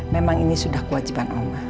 memang ini sudah kewajiban allah